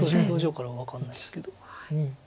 表情からは分かんないですけど。